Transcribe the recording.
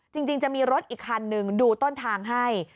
จริงจะมีรถอีกคันนึงดูต้นทางให้